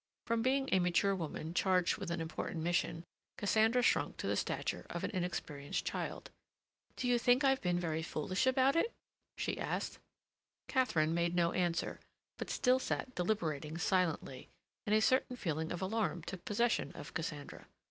From being a mature woman charged with an important mission, Cassandra shrunk to the stature of an inexperienced child. "Do you think I've been very foolish about it?" she asked. Katharine made no answer, but still sat deliberating silently, and a certain feeling of alarm took possession of Cassandra.